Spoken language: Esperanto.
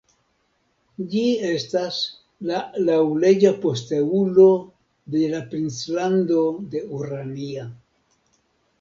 Ĝi estas la laŭleĝa posteulo de la Princlando de Urania.